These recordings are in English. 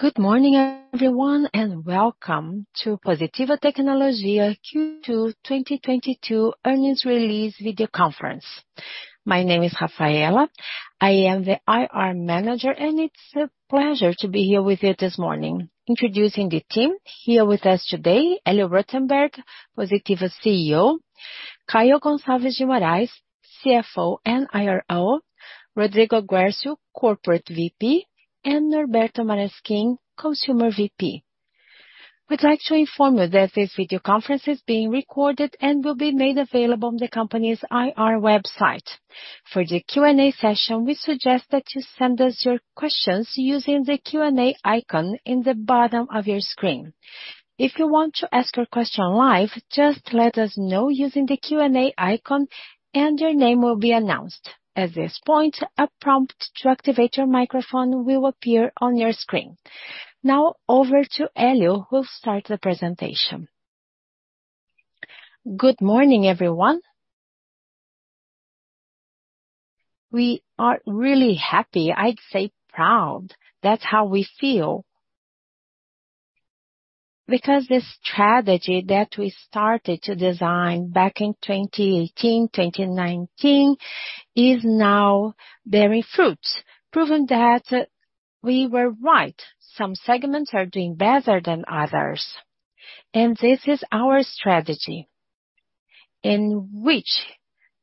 Good morning everyone, and welcome to Positivo Tecnologia Q2 2022 earnings release video conference. My name is Rafaela. I am the IR manager, and it's a pleasure to be here with you this morning. Introducing the team here with us today, Hélio Rotenberg, Positivo Tecnologia CEO. Caio Gonçalves de Moraes, CFO and IRO. Rodrigo Guercio Teixeira, Corporate VP. Norberto Maraschin Filho, Consumer VP. We'd like to inform you that this video conference is being recorded and will be made available on the company's IR website. For the Q&A session, we suggest that you send us your questions using the Q&A icon in the bottom of your screen. If you want to ask your question live, just let us know using the Q&A icon and your name will be announced. At this point, a prompt to activate your microphone will appear on your screen. Now over to Hélio who'll start the presentation. Good morning, everyone. We are really happy, I'd say proud. That's how we feel. Because the strategy that we started to design back in 2018, 2019 is now bearing fruit, proving that we were right. Some segments are doing better than others. This is our strategy in which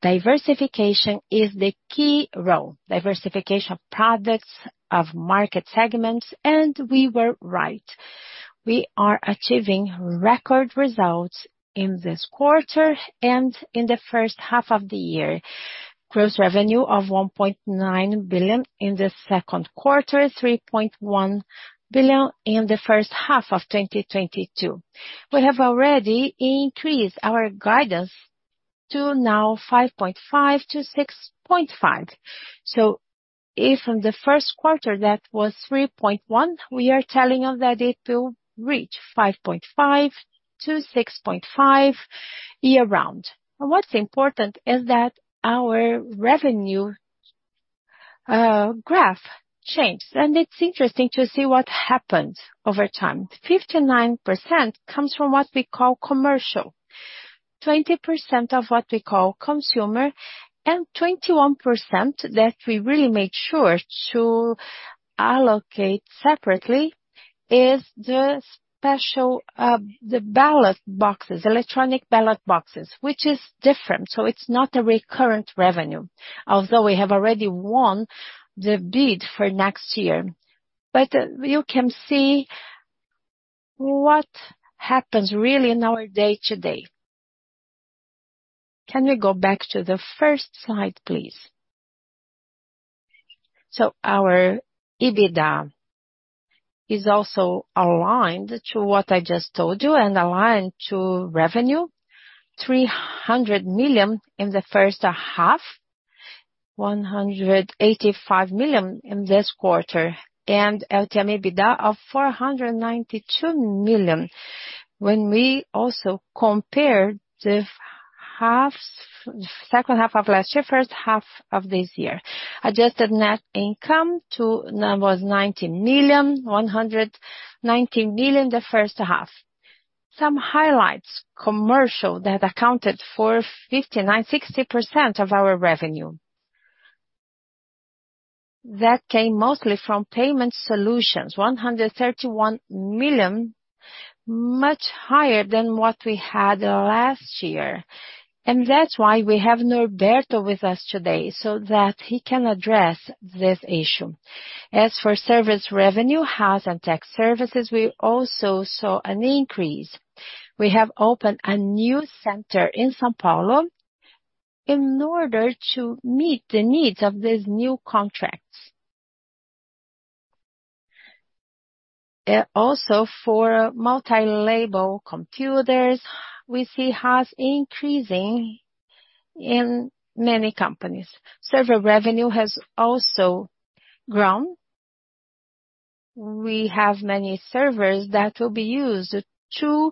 diversification is the key role. Diversification of products, of market segments, and we were right. We are achieving record results in this quarter and in the first half of the year. Gross revenue of 1.9 billion in the Q2, 3.1 billion in the first half of 2022. We have already increased our guidance to now 5.5 billion-6.5 billion. If in the Q1 that was 3.1 billion, we are telling you that it will reach 5.5 billion-6.5 billion year round. What's important is that our revenue graph changed. It's interesting to see what happened over time. 59% comes from what we call commercial. 20% of what we call consumer, and 21% that we really made sure to allocate separately is the special, the ballot boxes, electronic ballot boxes, which is different. It's not a recurrent revenue. Although we have already won the bid for next year. You can see what happens really in our day to day. Can we go back to the first slide, please. Our EBITDA is also aligned to what I just told you and aligned to revenue, 300 million in the first half, 185 million in this quarter, and LTM EBITDA of 492 million. When we also compare the second half of last year, first half of this year. Adjusted net income was 19 million, 119 million the first half. Some highlights. Commercial that accounted for 59-60% of our revenue. That came mostly from payment solutions. 131 million, much higher than what we had last year. That's why we have Norberto with us today so that he can address this issue. As for service revenue, HaaS and tech services, we also saw an increase. We have opened a new center in São Paulo in order to meet the needs of these new contracts. Also for multi-brand computers, we see HaaS increasing in many companies. Server revenue has also grown. We have many servers that will be used to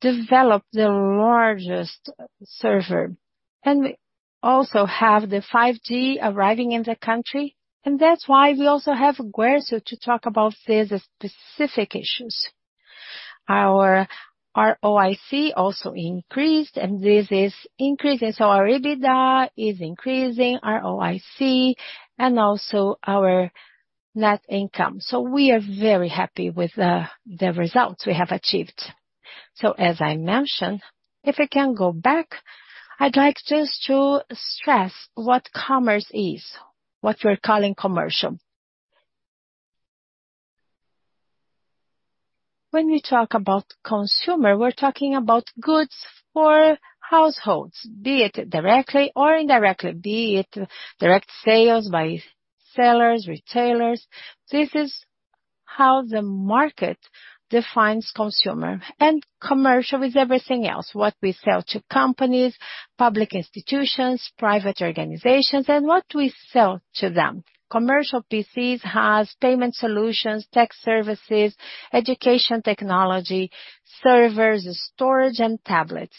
develop the largest server. We also have the 5G arriving in the country, and that's why we also have Rodrigo Guerço to talk about these specific issues. Our ROIC also increased, and this is increasing. Our EBITDA is increasing our ROIC and also our net income. We are very happy with the results we have achieved. As I mentioned, if we can go back, I'd like just to stress what commercial is. What we're calling commercial. When we talk about consumer, we're talking about goods for households, be it directly or indirectly. Be it direct sales by sellers, retailers. This is how the market defines consumer. Commercial is everything else. What we sell to companies, public institutions, private organizations, and what we sell to them. Commercial PCs, HaaS, payment solutions, tech services. Education technology, servers, storage and tablets.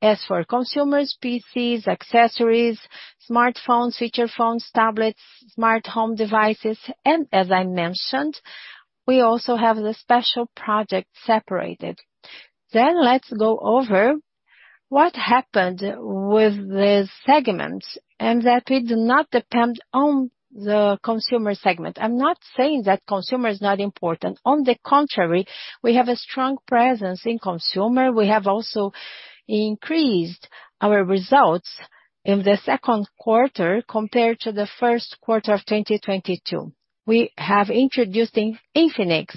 As for consumers, PCs, accessories, smartphones, feature phones, tablets, smart home devices, and as I mentioned, we also have the special project separated. Let's go over what happened with the segments, and that we do not depend on the consumer segment. I'm not saying that consumer is not important. On the contrary, we have a strong presence in consumer. We have also increased our results in the Q2 compared to the of 2022. We have introduced Infinix,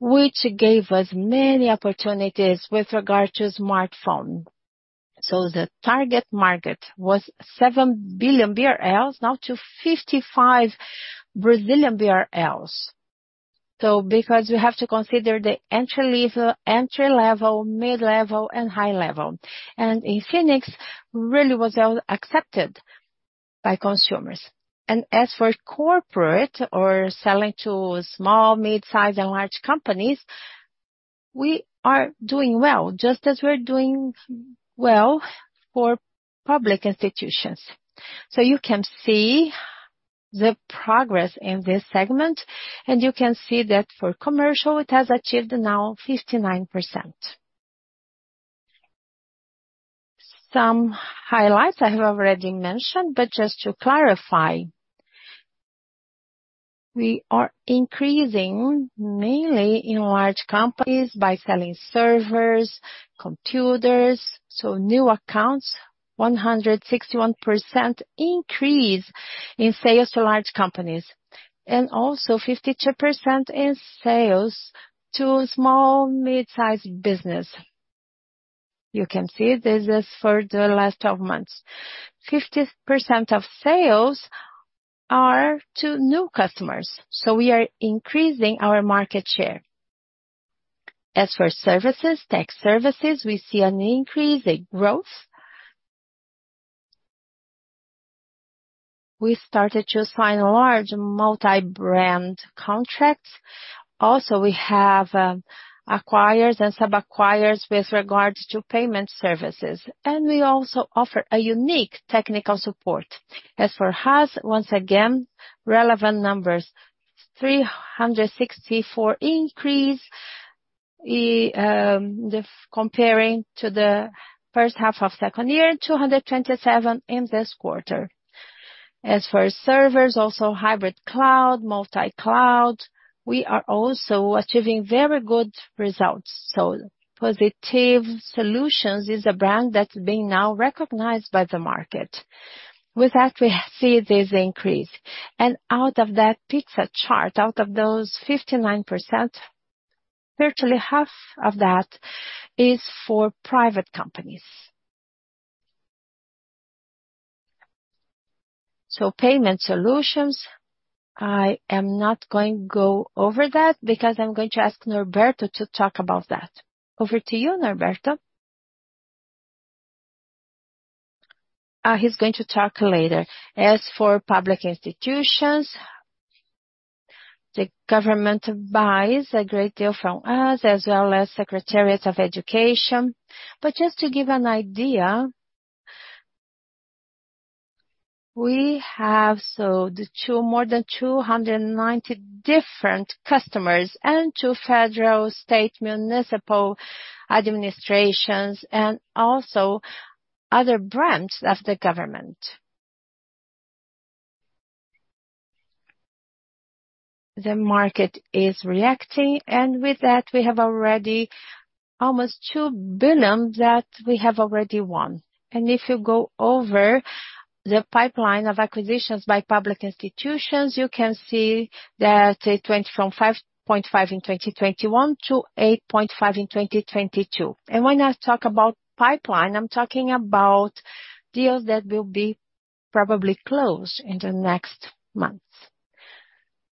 which gave us many opportunities with regard to smartphone. The target market was 7 billion BRL, now to 55 billion BRL. Because you have to consider the entry level, mid-level, and high level. Infinix really was accepted by consumers. As for corporate or selling to small, mid-size, and large companies, we are doing well, just as we're doing well for public institutions. You can see the progress in this segment, and you can see that for commercial, it has achieved now 59%. Some highlights I have already mentioned, but just to clarify. We are increasing mainly in large companies by selling servers, computers. New accounts, 161% increase in sales to large companies. Also 52% in sales to small, mid-sized business. You can see this is for the last 12 months. 50% of sales are to new customers. We are increasing our market share. As for services, tech services, we see an increase in growth. We started to sign large multi-brand contracts. Also we have acquirers and sub-acquirers with regards to payment services. We also offer a unique technical support. As for us, once again, relevant numbers. 364% increase in comparing to the first half of second year. 227% in this quarter. As for servers, also Hybrid Cloud, Multi-cloud. We are also achieving very good results. Positivo Solutions is a brand that's being now recognized by the market. With that, we see this increase. Out of that pie chart, out of those 59%, virtually half of that is for private companies. Payment solutions. I am not going to go over that because I am going to ask Norberto to talk about that. Over to you, Norberto. He is going to talk later. As for public institutions, the government buys a great deal from us, as well as Secretariats of Education. Just to give an idea, we have sold more than 290 different customers and to federal, state, municipal administrations and also other branches of the government. The market is reacting, and with that, we have already almost 2 billion that we have already won. If you go over the pipeline of acquisitions by public institutions, you can see that it went from 5.5 in 2021 to 8.5 in 2022. When I talk about pipeline, I'm talking about deals that will probably be closed in the next months.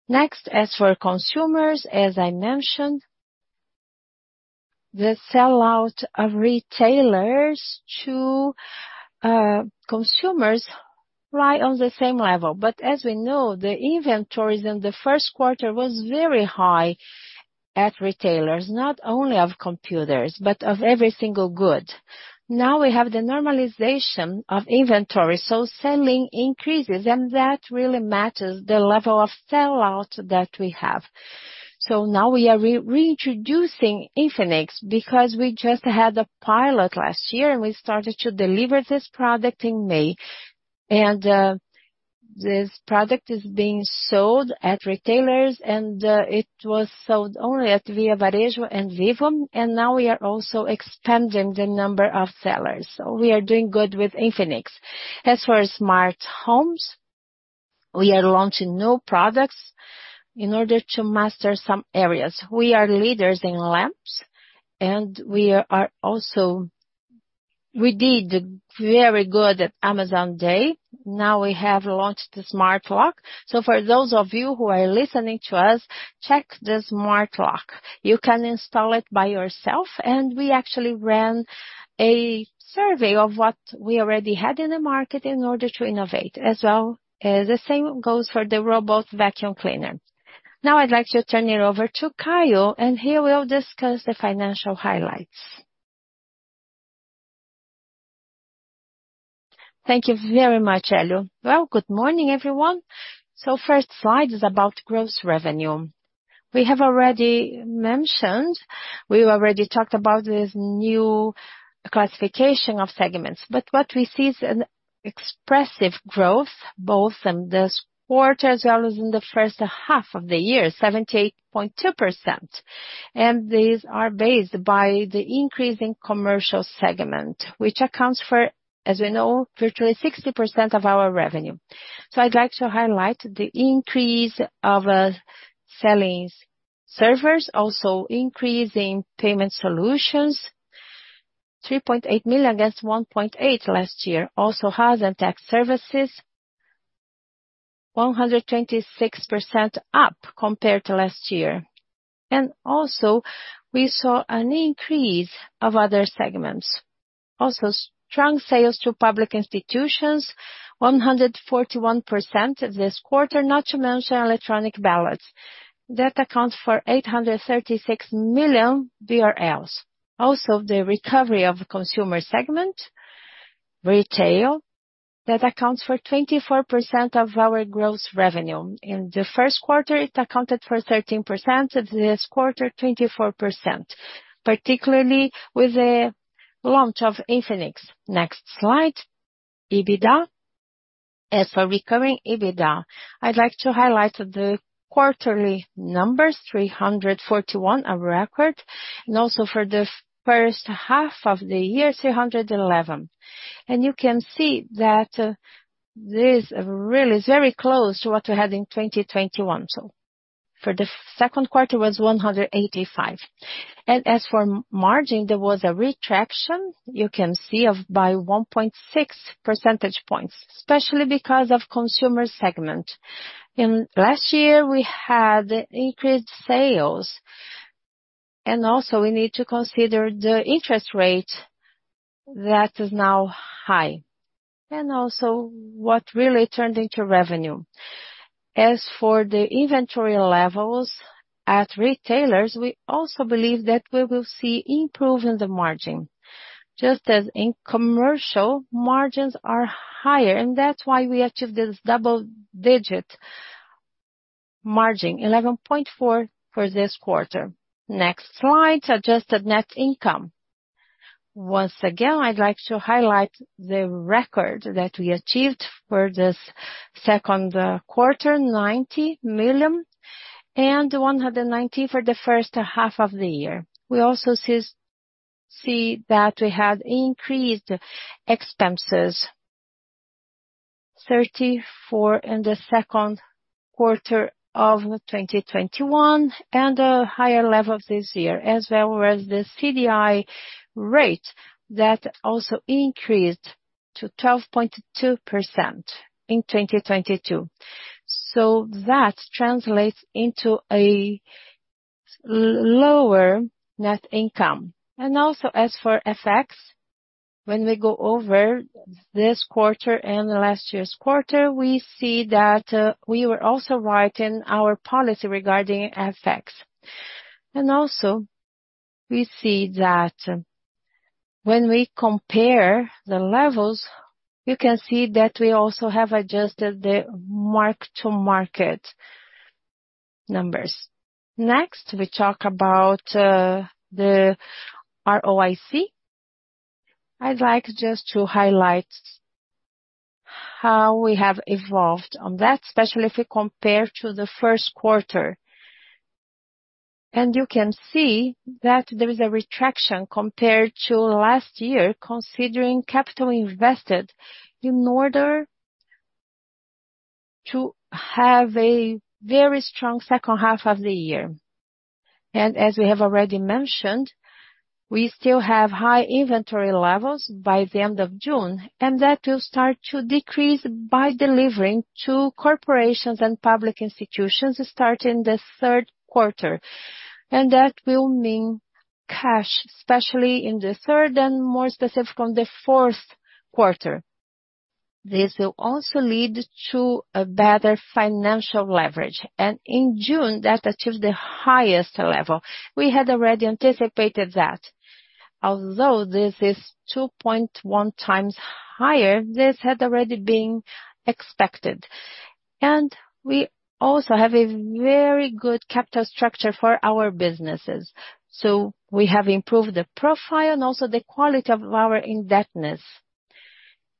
Next, as for consumers, as I mentioned. The sell-out of retailers to consumers lies on the same level. As we know, the inventories in the Q1 was very high at retailers, not only of computers, but of every single good. Now we have the normalization of inventory, so selling increases, and that really matters, the level of sell-out that we have. Now we are reintroducing Infinix because we just had a pilot last year and we started to deliver this product in May. This product is being sold at retailers and it was sold only at Via Varejo and Vivo, and now we are also expanding the number of sellers. We are doing good with Infinix. As for smart homes, we are launching new products in order to master some areas. We are leaders in lamps, and we also did very good at Amazon Day. Now we have launched the smart lock. For those of you who are listening to us, check the smart lock. You can install it by yourself. We actually ran a survey of what we already had in the market in order to innovate as well. The same goes for the robot vacuum cleaner. Now I'd like to turn it over to Caio Gonçalves de Moraes, and he will discuss the financial highlights. Thank you very much, Hélio Rotenberg. Well, good morning everyone. First slide is about gross revenue. We have already mentioned, we've already talked about this new classification of segments. What we see is an expressive growth, both in this quarter as well as in the first half of the year, 78.2%. These are based by the increase in commercial segment, which accounts for, as we know, virtually 60% of our revenue. I'd like to highlight the increase of, selling servers, also increase in payment solutions. 3.8 million against 1.8 million last year. HaaS and tech services 126% up compared to last year. We saw an increase in other segments. Strong sales to public institutions, 141% this quarter, not to mention electronic ballot boxes. That accounts for 836 million BRL. The recovery in consumer segment. Retail that accounts for 24% of our gross revenue. In the Q1, it accounted for 13%. In this quarter, 24%, particularly with the launch of Infinix. Next slide, EBITDA. As for recurring EBITDA, I'd like to highlight the quarterly numbers, 341 million, a record, and also for the first half of the year, 311 million. You can see that this really is very close to what we had in 2021. For the Q2, it was 185 million. As for margin, there was a retraction, you can see, of by 1.6 percentage points, especially because of consumer segment. In last year, we had increased sales. Also we need to consider the interest rate that is now high. Also what really turned into revenue. As for the inventory levels at retailers, we also believe that we will see improvement in the margin. Just as in commercial, margins are higher, and that's why we achieved this double-digit margin, 11.4% for this quarter. Next slide, adjusted net income. Once again, I'd like to highlight the record that we achieved for this Q2, 90 million and 190 for the first half of the year. We also see that we had increased expenses, 34 in the Q2 of 2021 and a higher level this year. As well as the CDI rate, that also increased to 12.2% in 2022. That translates into a lower net income. Also as for FX, when we go over this quarter and the last year's quarter, we see that we were also right in our policy regarding FX. Also we see that when we compare the levels, you can see that we also have adjusted the mark-to-market numbers. Next, we talk about the ROIC. I'd like just to highlight how we have evolved on that, especially if we compare to the Q1. You can see that there is a retraction compared to last year, considering capital invested in order to have a very strong second half of the year. As we have already mentioned, we still have high inventory levels by the end of June, and that will start to decrease by delivering to corporations and public institutions starting the Q3. That will mean cash, especially in the third and more specific on the Q4. This will also lead to a better financial leverage. In June, that achieved the highest level. We had already anticipated that. Although this is 2.1 times higher, this had already been expected. We also have a very good capital structure for our businesses. We have improved the profile and also the quality of our indebtedness.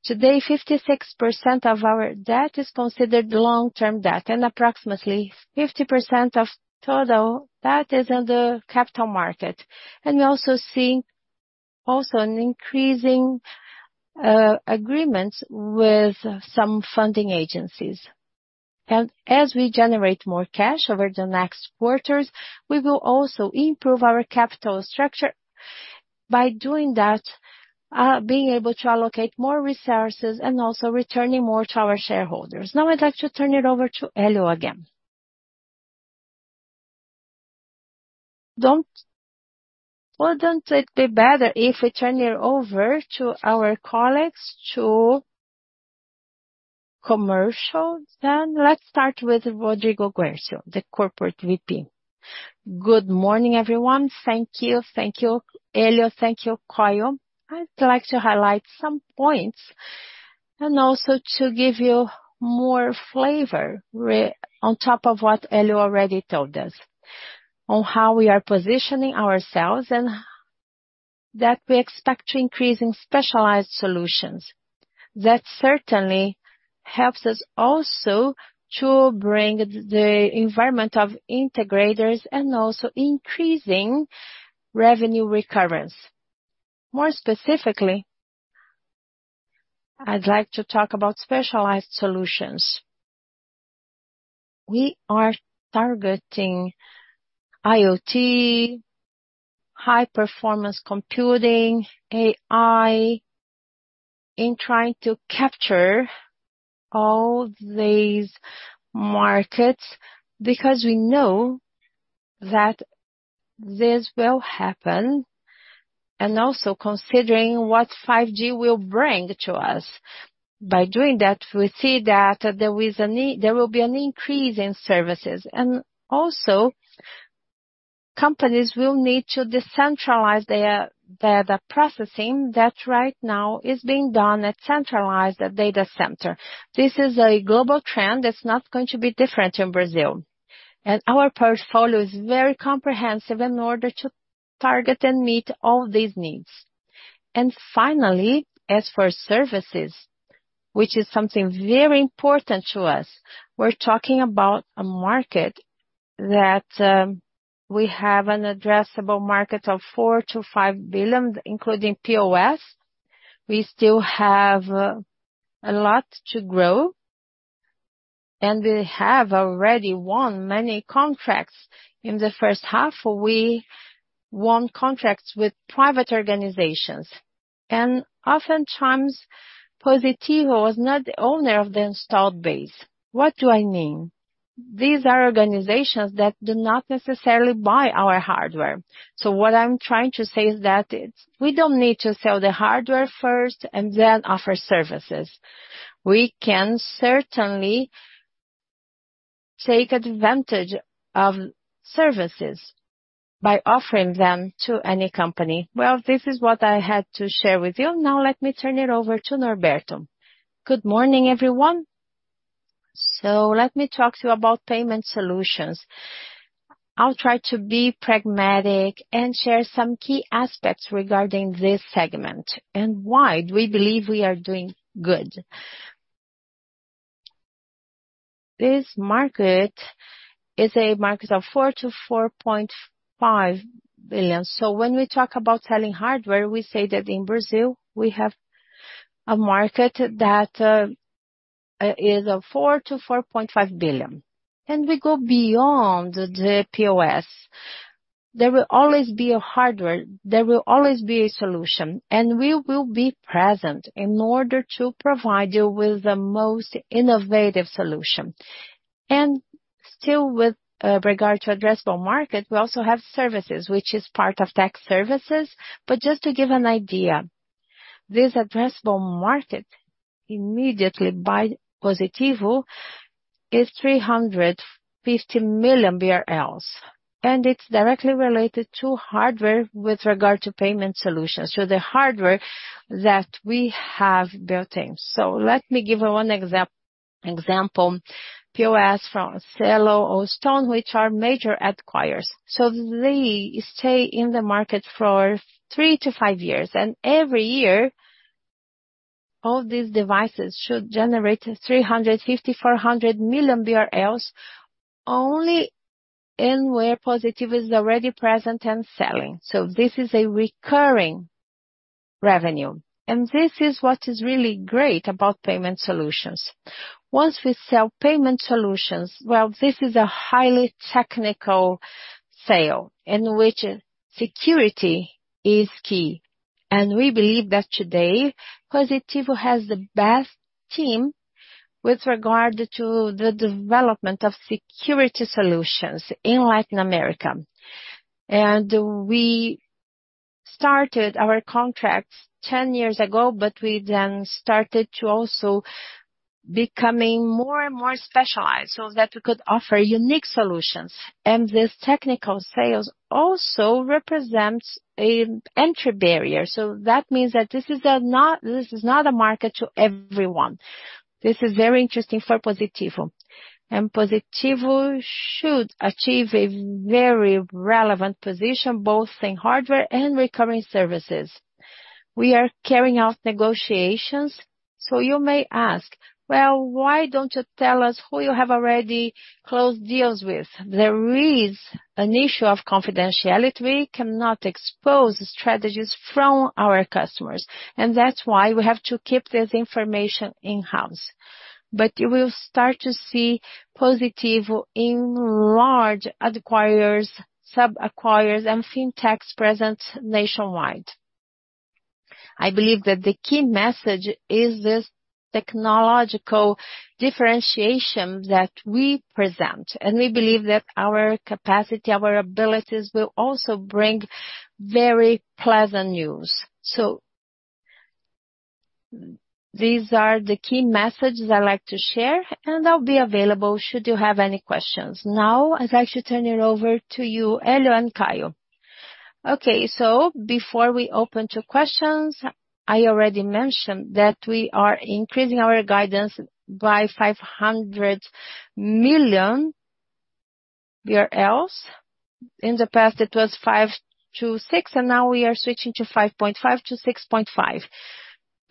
Today, 56% of our debt is considered long-term debt, and approximately 50% of total debt is in the capital market. We are also seeing an increase in agreements with some funding agencies. As we generate more cash over the next quarters, we will also improve our capital structure. By doing that, being able to allocate more resources and also returning more to our shareholders. Now, I'd like to turn it over to Hélio Rotenberg again. Well, wouldn't it be better if we turn it over to our colleagues to commercial then? Let's start with Rodrigo Guerço, the Corporate VP. Good morning, everyone. Thank you. Thank you, Hélio Rotenberg. Thank you, Caio Gonçalves de Moraes. I'd like to highlight some points and also to give you more flavor on top of what Hélio Rotenberg already told us, on how we are positioning ourselves and that we expect to increase in specialized solutions. That certainly helps us also to bring the environment of integrators and also increasing revenue recurrence. More specifically, I'd like to talk about specialized solutions. We are targeting IoT, high performance computing, AI, in trying to capture all these markets, because we know that this will happen, and also considering what 5G will bring to us. By doing that, we see that there is a need. There will be an increase in services. Also companies will need to decentralize their processing that right now is being done at centralized data center. This is a global trend. It's not going to be different in Brazil. Our portfolio is very comprehensive in order to target and meet all these needs. Finally, as for services, which is something very important to us, we're talking about a market that we have an addressable market of 4 billion-5 billion, including POS. We still have a lot to grow, and we have already won many contracts. In the first half, we won contracts with private organizations. Oftentimes, Positivo was not the owner of the installed base. What do I mean? These are organizations that do not necessarily buy our hardware. What I'm trying to say is that it's. We don't need to sell the hardware first and then offer services. We can certainly take advantage of services by offering them to any company. Well, this is what I had to share with you. Now let me turn it over to Norberto. Good morning, everyone. Let me talk to you about payment solutions. I'll try to be pragmatic and share some key aspects regarding this segment and why we believe we are doing good. This market is a market of 4 billion-4.5 billion. When we talk about selling hardware, we say that in Brazil, we have a market that is a 4 billion-4.5 billion. We go beyond the POS. There will always be a hardware, there will always be a solution, and we will be present in order to provide you with the most innovative solution. Still with regard to addressable market, we also have services, which is part of tech services. Just to give an idea, this addressable market immediately by Positivo is 350 million BRL, and it's directly related to hardware with regard to payment solutions. The hardware that we have built in. Let me give one example. POS from Cielo or Stone, which are major acquirers. They stay in the market for 3-5 years. Every year, all these devices should generate 350 million-400 million BRL only, and where Positivo is already present and selling. This is a recurring revenue. This is what is really great about payment solutions. Once we sell payment solutions, well, this is a highly technical sale in which security is key. We believe that today, Positivo has the best team with regard to the development of security solutions in Latin America. We started our contracts 10 years ago, but we then started to also becoming more and more specialized so that we could offer unique solutions. These technical sales also represents a entry barrier. That means that this is not a market to everyone. This is very interesting for Positivo. Positivo should achieve a very relevant position, both in hardware and recurring services. We are carrying out negotiations. You may ask, "Well, why don't you tell us who you have already closed deals with?" There is an issue of confidentiality. We cannot expose strategies from our customers, and that's why we have to keep this information in-house. You will start to see Positivo in large acquirers, sub-acquirers and Fintechs present nationwide. I believe that the key message is this technological differentiation that we present, and we believe that our capacity, our abilities will also bring very pleasant news. These are the key messages I like to share, and I'll be available should you have any questions. Now, I'd like to turn it over to you, Hélio and Caio. Okay. Before we open to questions, I already mentioned that we are increasing our guidance by 500 million BRL. In the past, it was 5-6, and now we are switching to 5.5-6.5.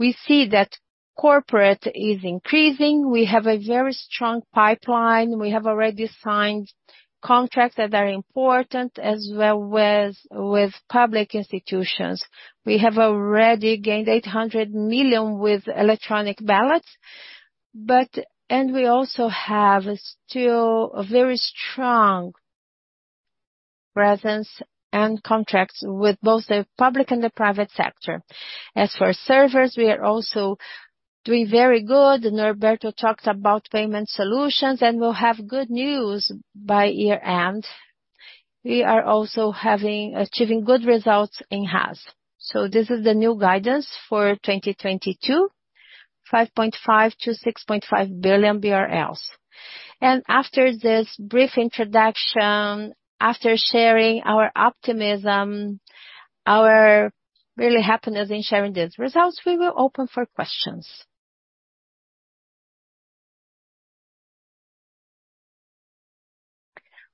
We see that corporate is increasing. We have a very strong pipeline. We have already signed contracts that are important as well with public institutions. We have already gained 800 million with electronic ballots, but we also have still a very strong presence and contracts with both the public and the private sector. As for servers, we are also doing very good. Norberto talked about payment solutions, and we'll have good news by year-end. We are also achieving good results in HaaS. This is the new guidance for 2022, 5.5 billion-6.5 billion BRL. After this brief introduction, after sharing our optimism, our really happiness in sharing these results, we will open for questions.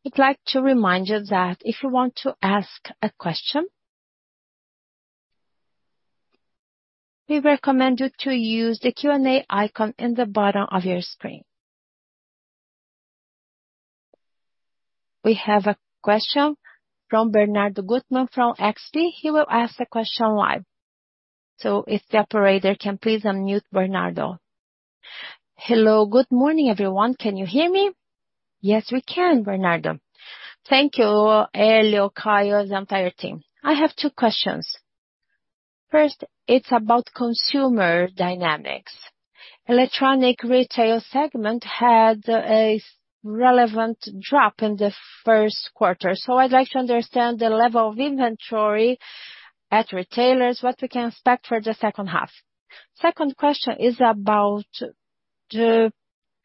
I'd like to remind you that if you want to ask a question, we recommend you to use the Q&A icon in the bottom of your screen. We have a question from Bernardo Guttmann from XP. He will ask a question live. If the operator can please unmute Bernardo. Hello. Good morning, everyone. Can you hear me? Yes, we can, Bernardo. Thank you, Hélio, Caio, the entire team. I have two questions. First, it's about consumer dynamics. Electronic retail segment had a relevant drop in the Q1. I'd like to understand the level of inventory at retailers, what we can expect for the second half. Second question is about the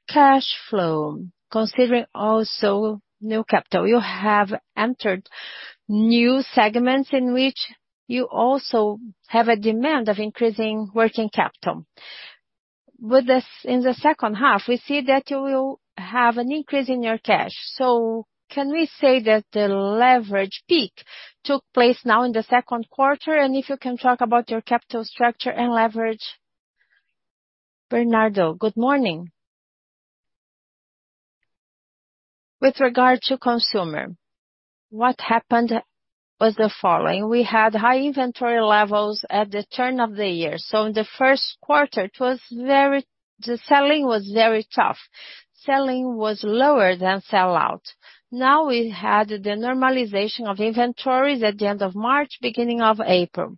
cash flow, considering also new capital. You have entered new segments in which you also have a demand of increasing working capital. With this, in the second half, we see that you will have an increase in your cash. Can we say that the leverage peak took place now in the Q2? If you can talk about your capital structure and leverage. Bernardo Guttmann, good morning. With regard to consumer, what happened was the following. We had high inventory levels at the turn of the year. In the Q1, the selling was very tough. Selling was lower than sell-out. Now we had the normalization of inventories at the end of March, beginning of April.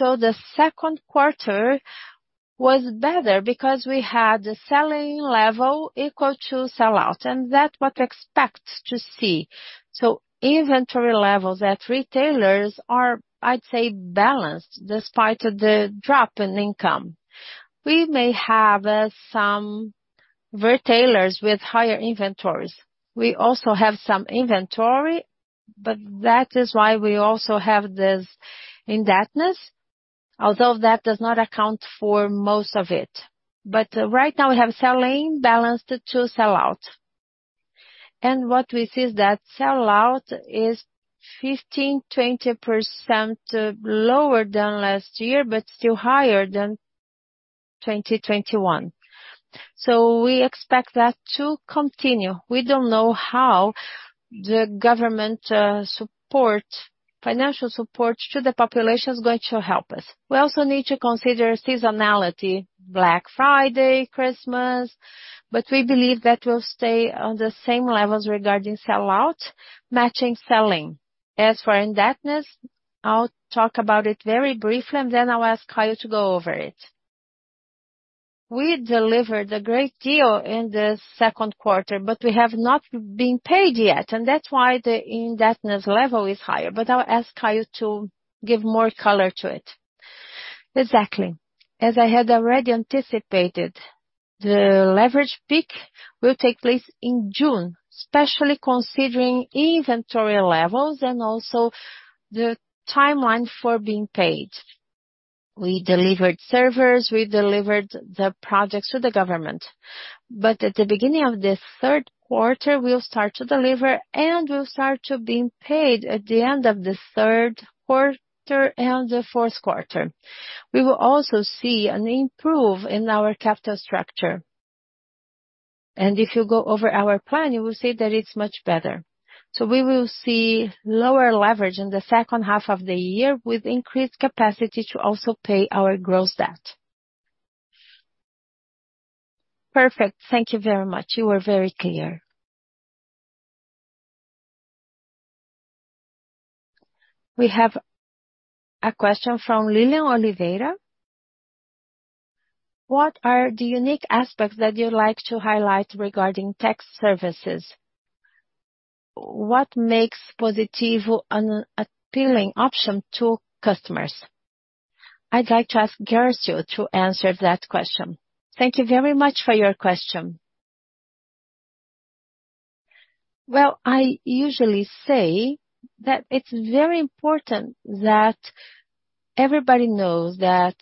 The Q2 was better because we had the selling level equal to sell-out, and that's what we expect to see. Inventory levels at retailers are, I'd say, balanced despite the drop in income. We may have some retailers with higher inventories. We also have some inventory, but that is why we also have this indebtedness, although that does not account for most of it. Right now we have sell-in balanced to sell-out. What we see is that sell-out is 15-20% lower than last year, but still higher than 2021. We expect that to continue. We don't know how the government financial support to the population is going to help us. We also need to consider seasonality, Black Friday, Christmas, but we believe that we'll stay on the same levels regarding sell-out, matching sell-in. As for indebtedness, I'll talk about it very briefly, and then I'll ask Caio to go over it. We delivered a great deal in the Q2, but we have not been paid yet, and that's why the indebtedness level is higher. I'll ask Caio to give more color to it. Exactly. As I had already anticipated, the leverage peak will take place in June, especially considering inventory levels and also the timeline for being paid. We delivered servers, we delivered the projects to the government. At the beginning of the Q3, we'll start to deliver, and we'll start to being paid at the end of the Q3 and the Q4. We will also see an improvement in our capital structure. If you go over our plan, you will see that it's much better. We will see lower leverage in the second half of the year with increased capacity to also pay our gross debt. Perfect. Thank you very much. You were very clear. We have a question from Lilian Oliveira. What are the unique aspects that you like to highlight regarding tech services? What makes Positivo an appealing option to customers? I'd like to ask Guercio to answer that question. Thank you very much for your question. Well, I usually say that it's very important that everybody knows that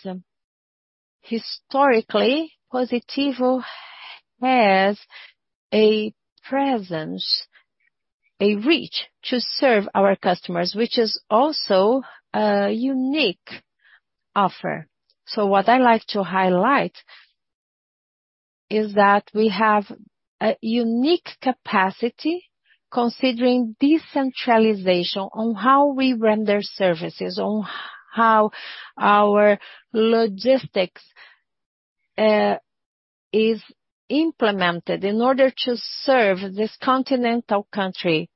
historically, Positivo has a presence, a reach to serve our customers, which is also a unique offer. So what I like to highlight is that we have a unique capacity, considering decentralization on how we render services, on how our logistics is implemented in order to serve this continental country.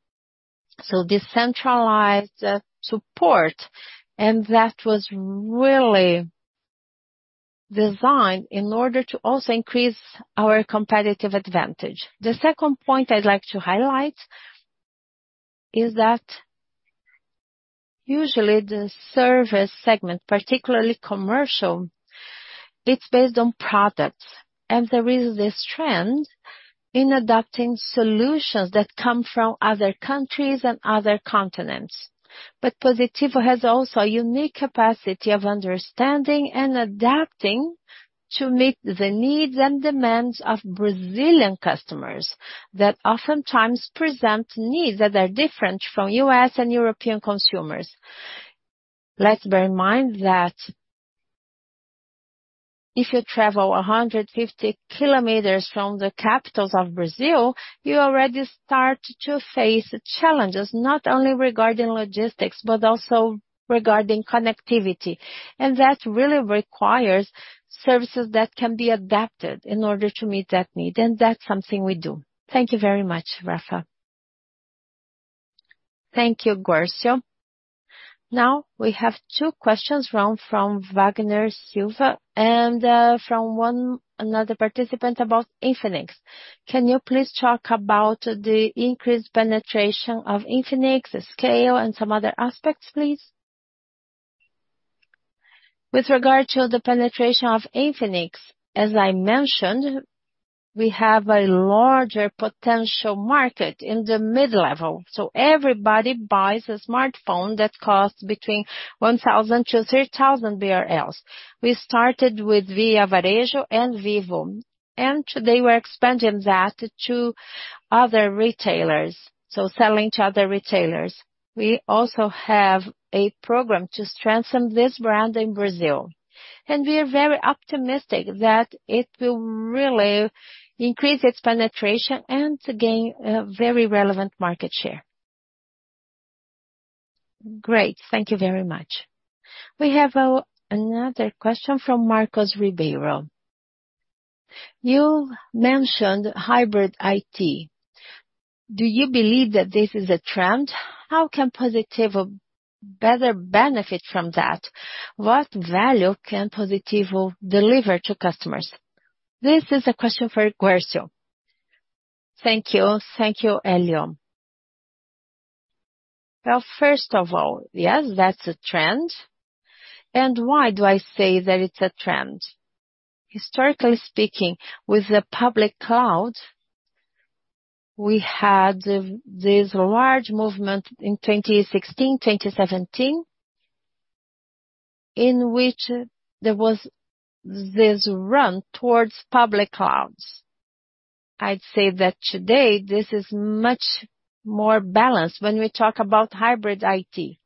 So decentralized support, and that was really designed in order to also increase our competitive advantage. The second point I'd like to highlight is that usually the service segment, particularly commercial, it's based on products. There is this trend in adopting solutions that come from other countries and other continents. Positivo has also a unique capacity of understanding and adapting to meet the needs and demands of Brazilian customers that oftentimes present needs that are different from US and European consumers. Let's bear in mind that if you travel 150 kilometers from the capitals of Brazil, you already start to face challenges, not only regarding logistics, but also regarding connectivity. That really requires services that can be adapted in order to meet that need. That's something we do. Thank you very much, Rafa. Thank you, Guerço. Now we have two questions from Wagner Silva and from another participant about Infinix. Can you please talk about the increased penetration of Infinix, the scale, and some other aspects, please? With regard to the penetration of Infinix, as I mentioned, we have a larger potential market in the mid-level. Everybody buys a smartphone that costs between 1,000-3,000 BRL. We started with Via Varejo and Vivo, and today we're expanding that to other retailers. Selling to other retailers. We also have a program to strengthen this brand in Brazil. We are very optimistic that it will really increase its penetration and gain a very relevant market share. Great. Thank you very much. We have another question from Marcos Ribeiro. You mentioned Hybrid IT. Do you believe that this is a trend? How can Positivo better benefit from that? What value can Positivo deliver to customers? This is a question for Guercio. Thank you. Thank you, Hélio. Well, first of all, yes, that's a trend. Why do I say that it's a trend? Historically speaking, with the public cloud, we had this large movement in 2016, 2017, in which there was this run towards public clouds. I'd say that today this is much more balanced when we talk about Hybrid IT.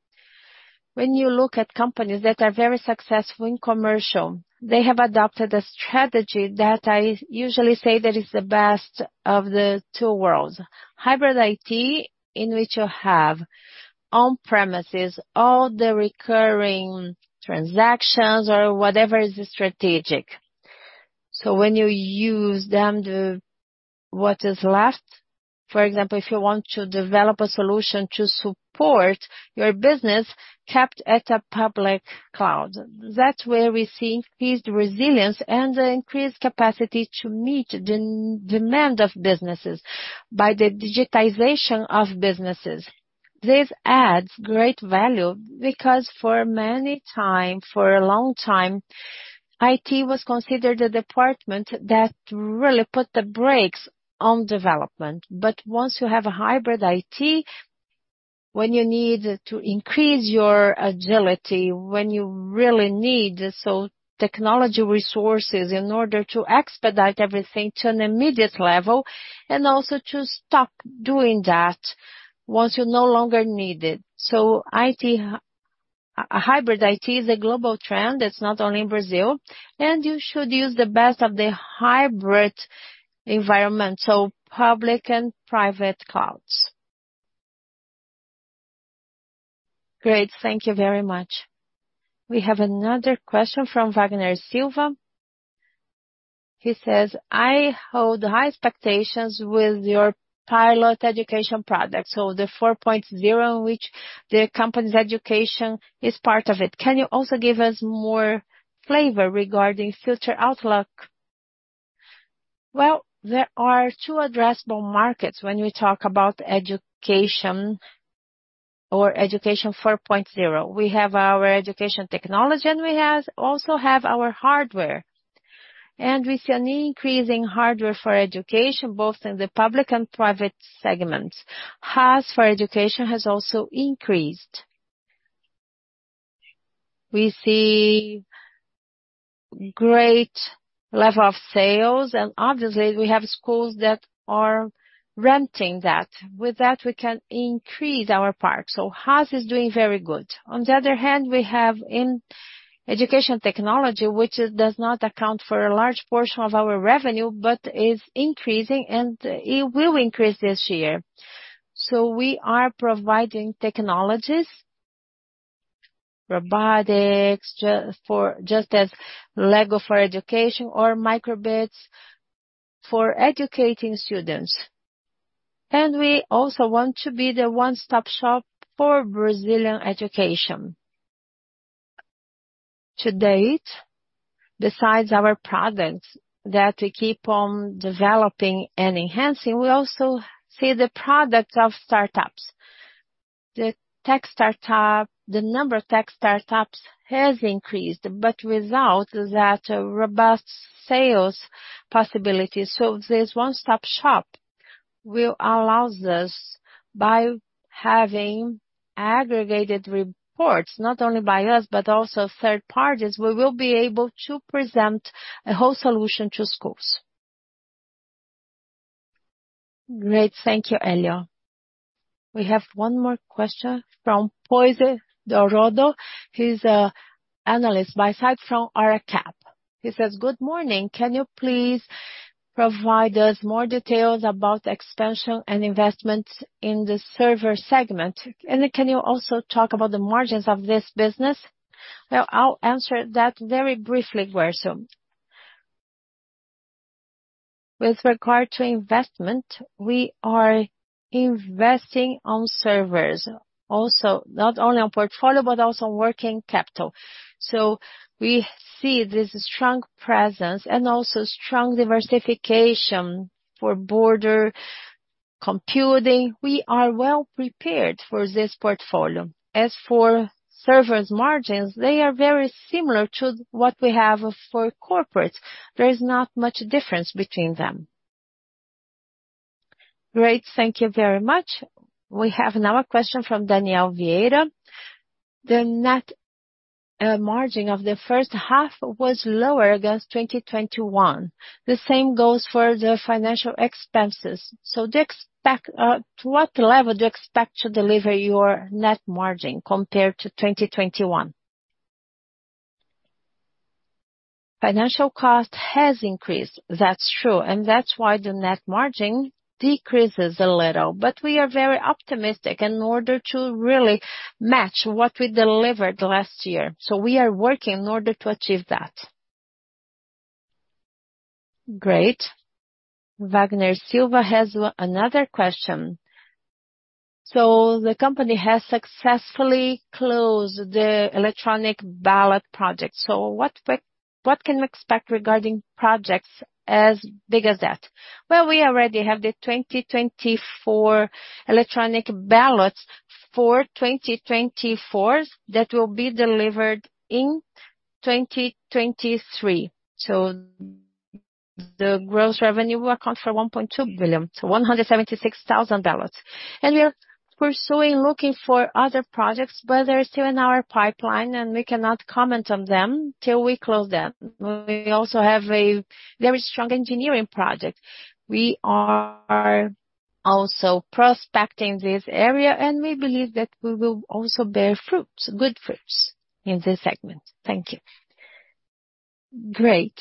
When you look at companies that are very successful in commercial, they have adopted a strategy that I usually say that is the best of the two worlds. Hybrid IT, in which you have on premises all the recurring transactions or whatever is strategic. When you use them, what is left, for example, if you want to develop a solution to support your business, kept at a public cloud. That's where we see increased resilience and the increased capacity to meet the demand of businesses by the digitization of businesses. This adds great value because for a long time, IT was considered a department that really put the brakes on development. Once you have a Hybrid IT, when you need to increase your agility, when you really need so technology resources in order to expedite everything to an immediate level and also to stop doing that once you no longer need it. Hybrid IT is a global trend. It's not only in Brazil, and you should use the best of the hybrid environment, so public and private clouds. Great. Thank you very much. We have another question from Wagner Silva. He says, "I hold high expectations with your pilot education product. The 4.0 in which the company's education is part of it. Can you also give us more flavor regarding future outlook?" Well, there are two addressable markets when we talk about education or Education 4.0. We have our education technology, and we also have our hardware. We see an increasing hardware for education, both in the public and private segments. HaaS for education has also increased. We see great level of sales, and obviously we have schools that are renting that. With that, we can increase our parts. HaaS is doing very good. On the other hand, we have in education technology, which does not account for a large portion of our revenue, but is increasing and it will increase this year. We are providing technologies, robotics, just as Lego for Education or micro:bit for educating students. We also want to be the one-stop-shop for Brazilian education. To date, besides our products that we keep on developing and enhancing, we also see the products of startups. The number of tech startups has increased, but without that robust sales possibility. This one-stop-shop will allows us by having aggregated reports, not only by us, but also third parties. We will be able to present a whole solution to schools. Great. Thank you, Hélio. We have one more question from Poise Dorodo. He's an analyst buy-side from RACAP. He says, "Good morning. Can you please provide us more details about expansion and investments in the server segment? And can you also talk about the margins of this business?" Well, I'll answer that very briefly, Rodrigo Guerco. With regard to investment, we are investing on servers also. Not only on portfolio, but also on working capital. We see this strong presence and also strong diversification for edge computing. We are well prepared for this portfolio. As for servers margins, they are very similar to what we have for corporate. There is not much difference between them. Great. Thank you very much. We have another question from Danielle Vieira. The net margin of the first half was lower against 2021. The same goes for the financial expenses. To what level do you expect to deliver your net margin compared to 2021? Financial cost has increased, that's true, and that's why the net margin decreases a little. We are very optimistic in order to really match what we delivered last year. We are working in order to achieve that. Great. Wagner Silva has another question. The company has successfully closed the electronic ballot boxes project. What can we expect regarding projects as big as that? Well, we already have the 2024 electronic ballot boxes for 2024s that will be delivered in 2023. The gross revenue will account for 1.2 billion, so $176 million. We are pursuing looking for other projects, but they're still in our pipeline, and we cannot comment on them till we close them. We also have a very strong engineering project. We are also prospecting this area, and we believe that we will also bear fruits, good fruits in this segment. Thank you. Great.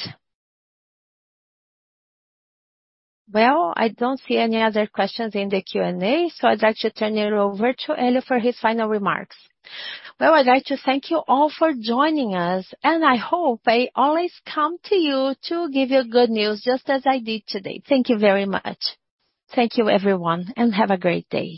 Well, I don't see any other questions in the Q&A, so I'd like to turn it over to Hélio for his final remarks. Well, I'd like to thank you all for joining us, and I hope I always come to you to give you good news just as I did today. Thank you very much. Thank you, everyone, and have a great day.